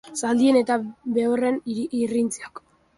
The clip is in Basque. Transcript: Zaldien eta behorren irrintziak.